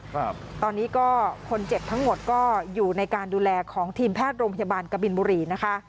ครับตอนนี้ก็คนเจ็บทั้งหมดก็อยู่ในการดูแลของทีมแพทย์โรงพยาบาลกบินบุรีนะคะ